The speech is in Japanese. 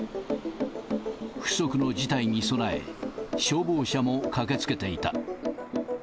不測の事態に備え、消防車も駆けつけていた。